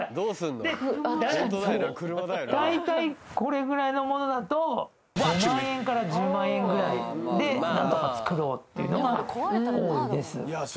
大体これぐらいのものだと５万円から１０万円ぐらいで何とか作ろうっていうのが多いです